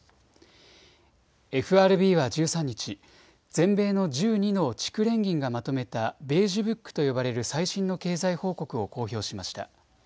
ＦＲＢは１３日、全米の１２の地区連銀がまとめたベージュブックと呼ばれる最新の経済報告を公表しました。